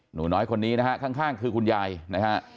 หนูน้อยคนนี้นะครับข้างคือคุณยายนะครับ